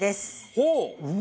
ほう！